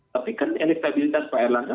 tapi kan elektabilitas pak erlangga